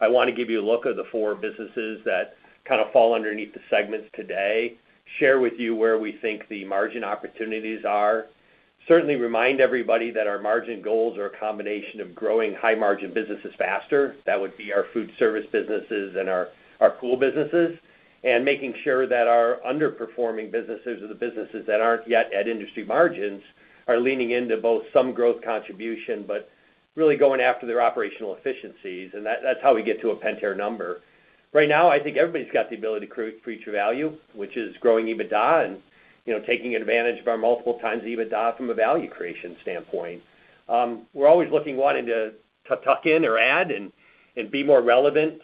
I want to give you a look at the four businesses that kind of fall underneath the segments today, share with you where we think the margin opportunities are, certainly remind everybody that our margin goals are a combination of growing high-margin businesses faster. That would be our food service businesses and our Pool businesses, and making sure that our underperforming businesses or the businesses that aren't yet at industry margins are leaning into both some growth contribution but really going after their operational efficiencies. That's how we get to a Pentair number. Right now, I think everybody's got the ability to create value, which is growing EBITDA and taking advantage of our multiple times EBITDA from a value creation standpoint. We're always looking, one, to tuck in or add and be more relevant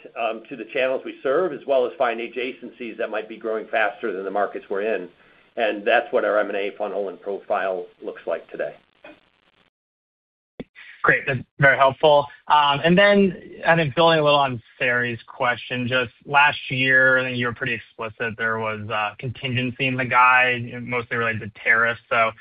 to the channels we serve as well as find adjacencies that might be growing faster than the markets we're in. That's what our M&A funnel and profile looks like today. Great. That's very helpful. And then kind of building a little on Saree's question, just last year, I think you were pretty explicit. There was contingency in the guide, mostly related to tariffs. So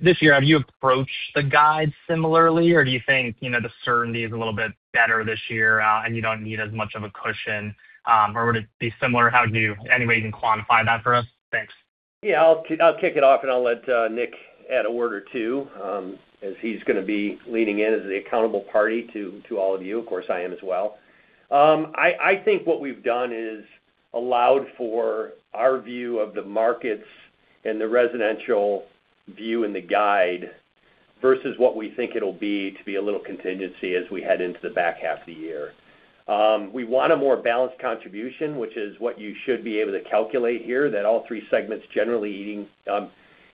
this year, have you approached the guide similarly, or do you think the certainty is a little bit better this year and you don't need as much of a cushion, or would it be similar? Any way you can quantify that for us? Thanks. Yeah. I'll kick it off, and I'll let Nick add a word or two as he's going to be leaning in as the accountable party to all of you. Of course, I am as well. I think what we've done is allowed for our view of the markets and the residential view in the guide versus what we think it'll be to be a little contingency as we head into the back half of the year. We want a more balanced contribution, which is what you should be able to calculate here, that all three segments generally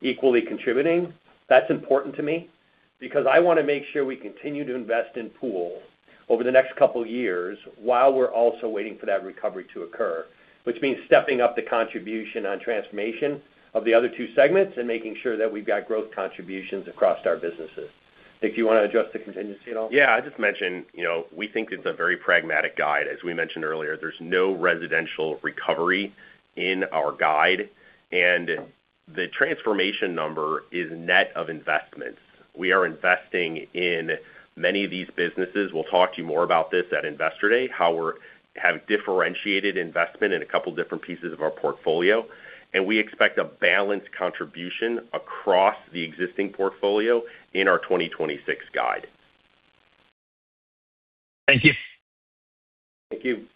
equally contributing. That's important to me because I want to make sure we continue to invest in Pool over the next couple of years while we're also waiting for that recovery to occur, which means stepping up the contribution on transformation of the other two segments and making sure that we've got growth contributions across our businesses. Nick, do you want to address the contingency at all? Yeah. I just mentioned we think it's a very pragmatic guide. As we mentioned earlier, there's no residential recovery in our guide, and the transformation number is net of investments. We are investing in many of these businesses. We'll talk to you more about this at investor day, how we're having differentiated investment in a couple of different pieces of our portfolio. We expect a balanced contribution across the existing portfolio in our 2026 guide. Thank you. Thank you.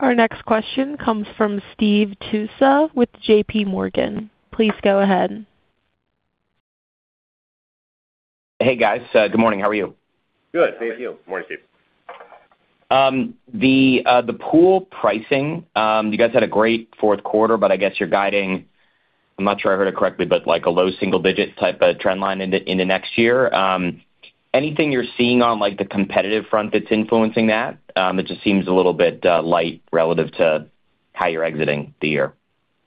Our next question comes from Steve Tusa with JPMorgan. Please go ahead. Hey, guys. Good morning. How are you? Good. Same to you. Good morning, Steve. The Pool pricing, you guys had a great fourth quarter, but I guess you're guiding - I'm not sure I heard it correctly - but a low single-digit type of trendline into next year. Anything you're seeing on the competitive front that's influencing that? It just seems a little bit light relative to how you're exiting the year.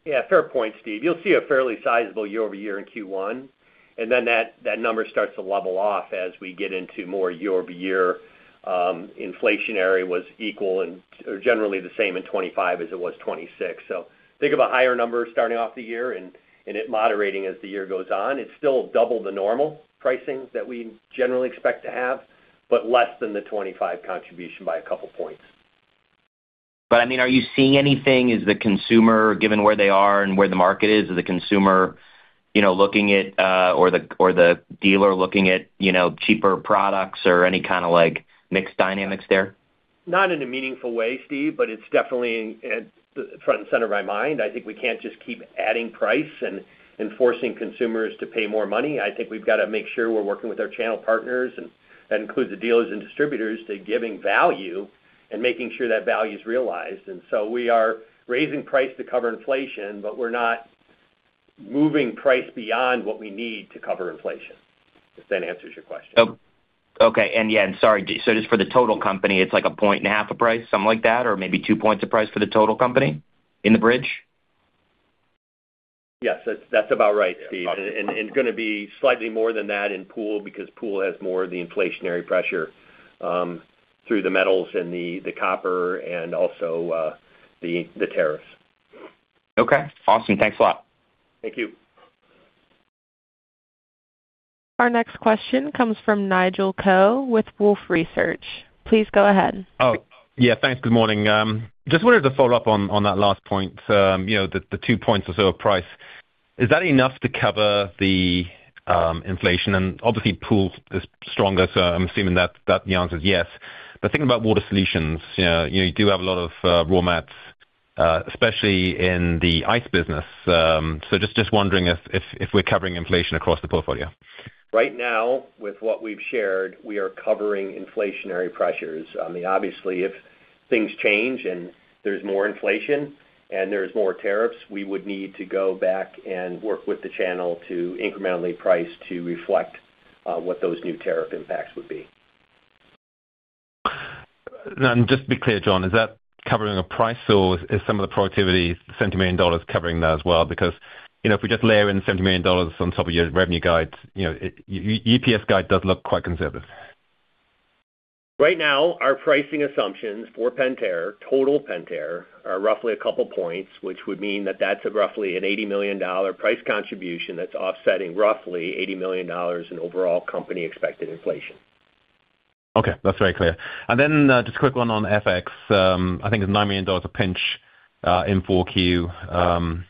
Yeah. Fair point, Steve. You'll see a fairly sizable year-over-year in Q1, and then that number starts to level off as we get into more year-over-year. Inflationary was equal and generally the same in 2025 as it was 2026. So think of a higher number starting off the year and it moderating as the year goes on. It's still double the normal pricing that we generally expect to have but less than the 2025 contribution by a couple of points. I mean, are you seeing anything? Is the consumer, given where they are and where the market is, is the consumer looking at or the dealer looking at cheaper products or any kind of mixed dynamics there? Not in a meaningful way, Steve, but it's definitely front and center of my mind. I think we can't just keep adding price and forcing consumers to pay more money. I think we've got to make sure we're working with our channel partners, and that includes the dealers and distributors, to giving value and making sure that value is realized. And so we are raising price to cover inflation, but we're not moving price beyond what we need to cover inflation, if that answers your question. Okay. Yeah, sorry, so just for the total company, it's 1.5 points of price, something like that, or maybe 2 points of price for the total company in the bridge? Yes. That's about right, Steve. And it's going to be slightly more than that in Pool because Pool has more of the inflationary pressure through the metals and the copper and also the tariffs. Okay. Awesome. Thanks a lot. Thank you. Our next question comes from Nigel Coe with Wolfe Research. Please go ahead. Oh. Yeah. Thanks. Good morning. Just wanted to follow up on that last point, the 2 points or so of price. Is that enough to cover the inflation? And obviously, Pool is stronger, so I'm assuming that the answer is yes. But thinking about water solutions, you do have a lot of raw mats, especially in the ice business. So just wondering if we're covering inflation across the portfolio. Right now, with what we've shared, we are covering inflationary pressures. I mean, obviously, if things change and there's more inflation and there's more tariffs, we would need to go back and work with the channel to incrementally price to reflect what those new tariff impacts would be. Just to be clear, John, is that covering pricing, or is some of the productivity, the $100 million, covering that as well? Because if we just layer in $100 million on top of your revenue guides, the EPS guide does look quite conservative. Right now, our pricing assumptions for Pentair, total Pentair, are roughly a couple of points, which would mean that that's roughly an $80 million price contribution that's offsetting roughly $80 million in overall company-expected inflation. Okay. That's very clear. And then just a quick one on FX. I think it's $9 million a pinch in 4Q,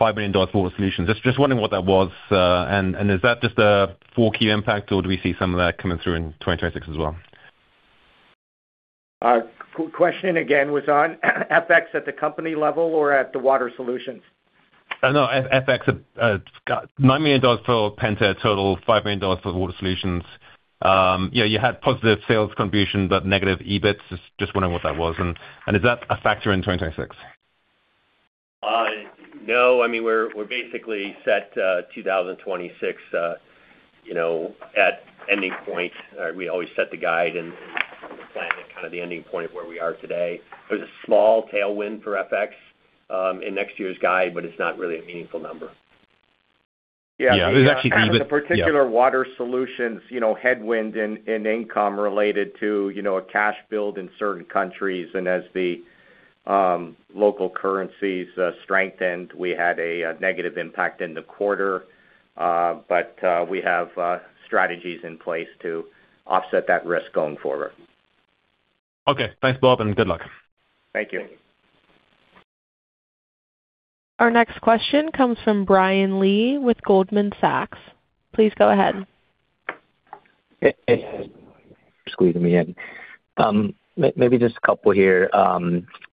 $5 million water solutions. Just wondering what that was. And is that just a 4Q impact, or do we see some of that coming through in 2026 as well? Question again was on FX at the company level or at the water solutions? No FX, $9 million for Pentair, total $5 million for water solutions. You had positive sales contribution but negative EBITs. Just wondering what that was. Is that a factor in 2026? No. I mean, we're basically set 2026 at ending point. We always set the guide and plan at kind of the ending point of where we are today. There's a small tailwind for FX in next year's guide, but it's not really a meaningful number. Yeah. It was actually EBIT. Yeah. In particular, Water Solutions headwind in FX related to FX billed in certain countries. As the local currencies strengthened, we had a negative impact in the quarter. We have strategies in place to offset that risk going forward. Okay. Thanks, Bob, and good luck. Thank you. Our next question comes from Brian Lee with Goldman Sachs. Please go ahead. Hey. Squeezing me in. Maybe just a couple here.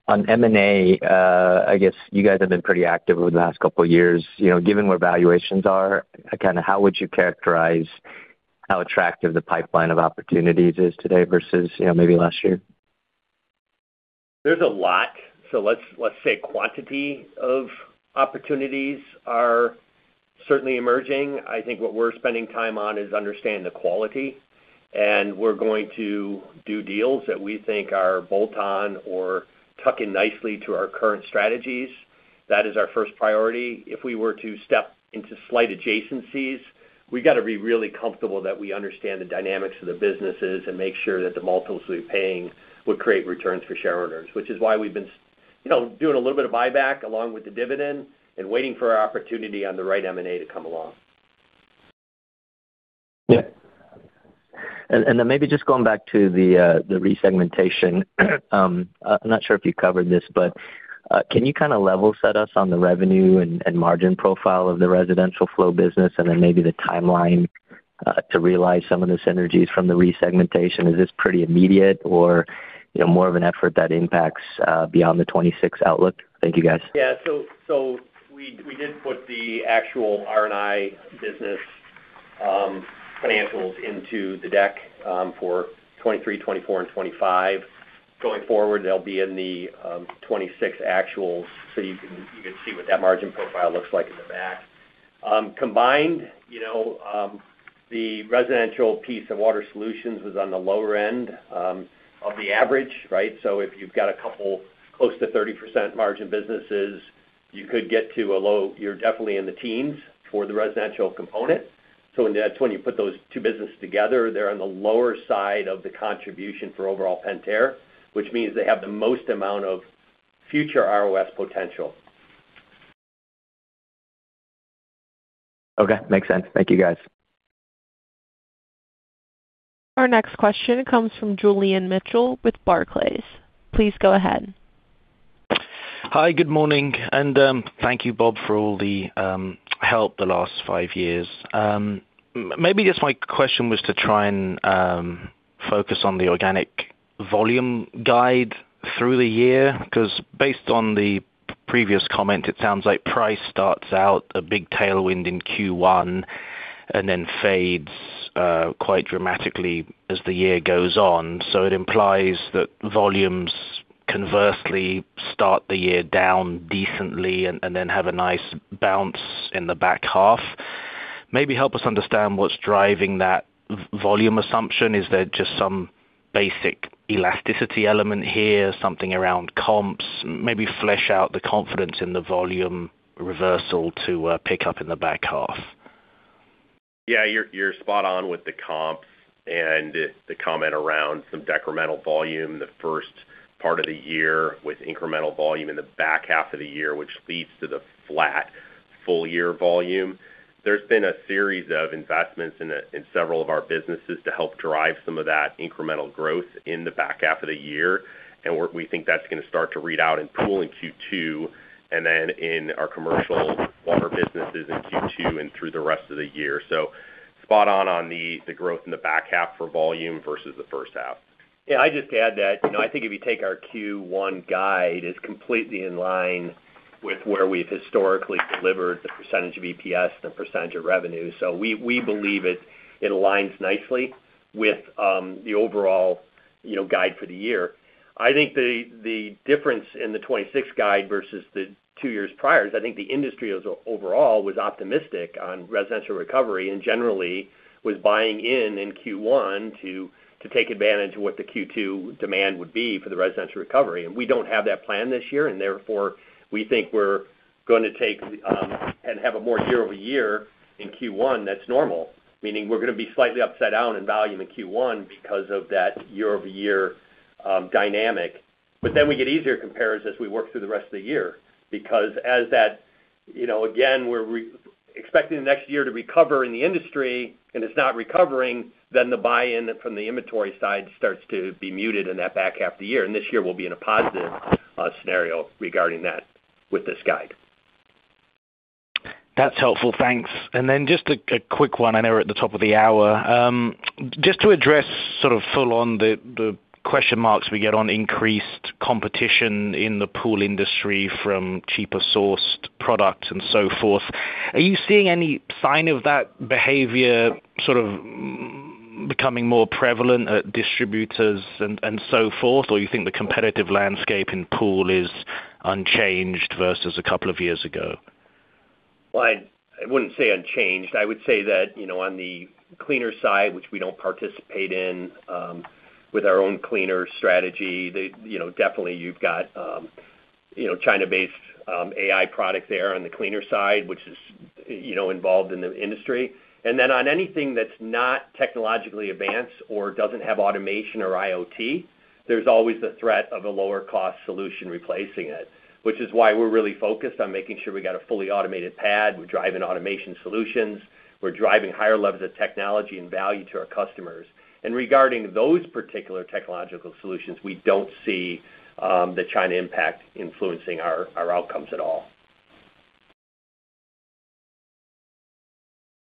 On M&A, I guess you guys have been pretty active over the last couple of years. Given where valuations are, kind of how would you characterize how attractive the pipeline of opportunities is today versus maybe last year? There's a lot. So let's say quantity of opportunities are certainly emerging. I think what we're spending time on is understanding the quality. And we're going to do deals that we think are bolt-on or tuck in nicely to our current strategies. That is our first priority. If we were to step into slight adjacencies, we got to be really comfortable that we understand the dynamics of the businesses and make sure that the multiples we're paying would create returns for shareholders, which is why we've been doing a little bit of buyback along with the dividend and waiting for our opportunity on the right M&A to come along. Yeah. And then maybe just going back to the resegmentation, I'm not sure if you covered this, but can you kind of level set us on the revenue and margin profile of the residential flow business and then maybe the timeline to realize some of the synergies from the resegmentation? Is this pretty immediate, or more of an effort that impacts beyond the 2026 outlook? Thank you, guys. Yeah. So we did put the actual R&I business financials into the deck for 2023, 2024, and 2025. Going forward, they'll be in the 2026 actuals so you can see what that margin profile looks like in the back. Combined, the residential piece of water solutions was on the lower end of the average, right? So if you've got a couple close to 30% margin businesses, you could get to a low you're definitely in the teens for the residential component. So that's when you put those two businesses together, they're on the lower side of the contribution for overall Pentair, which means they have the most amount of future ROS potential. Okay. Makes sense. Thank you, guys. Our next question comes from Julian Mitchell with Barclays. Please go ahead. Hi. Good morning. Thank you, Bob, for all the help the last five years. Maybe just my question was to try and focus on the organic volume guide through the year because based on the previous comment, it sounds like price starts out a big tailwind in Q1 and then fades quite dramatically as the year goes on. So it implies that volumes conversely start the year down decently and then have a nice bounce in the back half. Maybe help us understand what's driving that volume assumption. Is there just some basic elasticity element here, something around comps? Maybe flesh out the confidence in the volume reversal to pick up in the back half. Yeah. You're spot on with the comps and the comment around some decremental volume the first part of the year with incremental volume in the back half of the year, which leads to the flat full-year volume. There's been a series of investments in several of our businesses to help drive some of that incremental growth in the back half of the year. We think that's going to start to read out in Pool in Q2 and then in our commercial water businesses in Q2 and through the rest of the year. Spot on on the growth in the back half for volume versus the first half. Yeah. I'd just add that I think if you take our Q1 guide, it's completely in line with where we've historically delivered the percentage of EPS and the percentage of revenue. So we believe it aligns nicely with the overall guide for the year. I think the difference in the 2026 guide versus the two years prior is I think the industry overall was optimistic on residential recovery and generally was buying in Q1 to take advantage of what the Q2 demand would be for the residential recovery. And we don't have that plan this year. And therefore, we think we're going to take and have a more year-over-year in Q1. That's normal, meaning we're going to be slightly upside down in volume in Q1 because of that year-over-year dynamic. But then we get easier comparison as we work through the rest of the year because as that again, we're expecting the next year to recover in the industry, and it's not recovering, then the buy-in from the inventory side starts to be muted in that back half of the year. This year, we'll be in a positive scenario regarding that with this guide. That's helpful. Thanks. And then just a quick one. I know we're at the top of the hour. Just to address sort of full-on the question marks we get on increased competition in the Pool industry from cheaper-sourced products and so forth, are you seeing any sign of that behavior sort of becoming more prevalent at distributors and so forth, or do you think the competitive landscape in Pool is unchanged versus a couple of years ago? Well, I wouldn't say unchanged. I would say that on the cleaner side, which we don't participate in with our own cleaner strategy, definitely, you've got China-based AI product there on the cleaner side, which is involved in the industry. And then on anything that's not technologically advanced or doesn't have automation or IoT, there's always the threat of a lower-cost solution replacing it, which is why we're really focused on making sure we got a fully automated plant. We're driving automation solutions. We're driving higher levels of technology and value to our customers. And regarding those particular technological solutions, we don't see the China impact influencing our outcomes at all.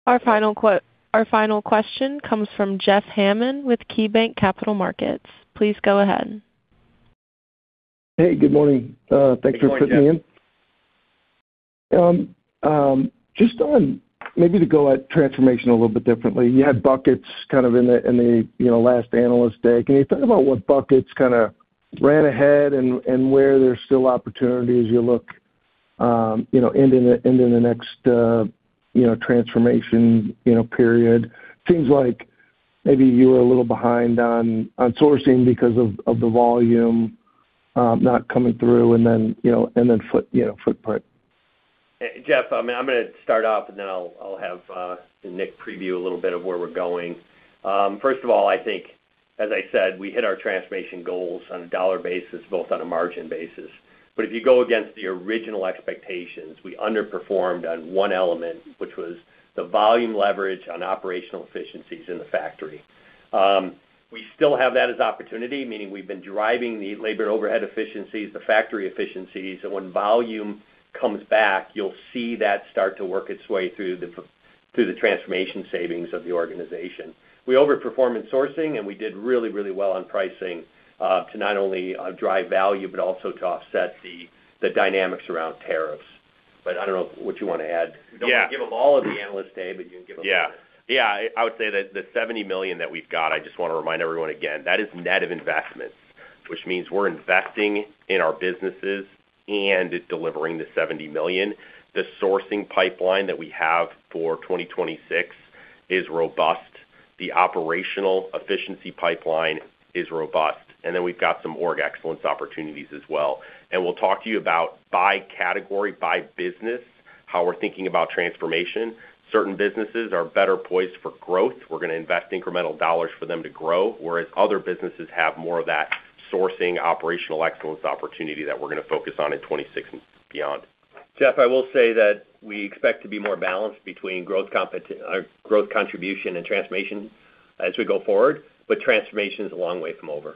Our final question comes from Jeff Hammond with KeyBanc Capital Markets. Please go ahead. Hey. Good morning. Thanks for putting me in. Good morning, Jeff.Just maybe to go at transformation a little bit differently, you had buckets kind of in the last analyst deck. Can you think about what buckets kind of ran ahead and where there's still opportunities as you look into the next transformation period? Seems like maybe you were a little behind on sourcing because of the volume not coming through and then footprint. Jeff, I mean, I'm going to start off, and then I'll have Nick preview a little bit of where we're going. First of all, I think, as I said, we hit our transformation goals on a dollar basis, both on a margin basis. But if you go against the original expectations, we underperformed on one element, which was the volume leverage on operational efficiencies in the factory. We still have that as opportunity, meaning we've been driving the labor overhead efficiencies, the factory efficiencies. And when volume comes back, you'll see that start to work its way through the transformation savings of the organization. We overperformed in sourcing, and we did really, really well on pricing to not only drive value but also to offset the dynamics around tariffs. But I don't know what you want to add. You don't have to give them all of the analysts' data, but you can give them all of it. Yeah. Yeah. I would say that the $70 million that we've got. I just want to remind everyone again, that is net of investments, which means we're investing in our businesses and delivering the $70 million. The sourcing pipeline that we have for 2026 is robust. The operational efficiency pipeline is robust. And then we've got some org excellence opportunities as well. And we'll talk to you about by category, by business, how we're thinking about transformation. Certain businesses are better poised for growth. We're going to invest incremental dollars for them to grow, whereas other businesses have more of that sourcing, operational excellence opportunity that we're going to focus on in 2026 and beyond. Jeff, I will say that we expect to be more balanced between growth contribution and transformation as we go forward, but transformation is a long way from over.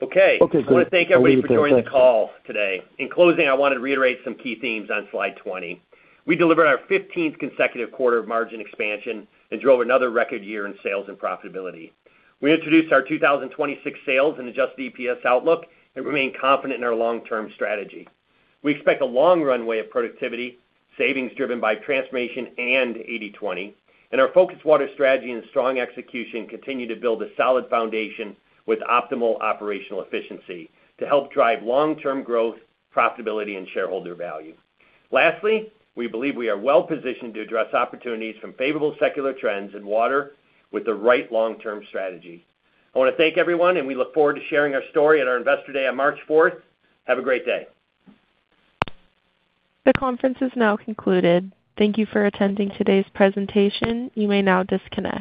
Okay. I want to thank everybody for joining the call today. In closing, I wanted to reiterate some key themes on slide 20. We delivered our 15th consecutive quarter of margin expansion and drove another record year in sales and profitability. We introduced our 2026 sales and adjusted EPS outlook and remain confident in our long-term strategy. We expect a long runway of productivity, savings driven by transformation and 80/20. And our focused water strategy and strong execution continue to build a solid foundation with optimal operational efficiency to help drive long-term growth, profitability, and shareholder value. Lastly, we believe we are well-positioned to address opportunities from favorable secular trends in water with the right long-term strategy. I want to thank everyone, and we look forward to sharing our story at our investor day on March 4th. Have a great day. The conference is now concluded. Thank you for attending today's presentation. You may now disconnect.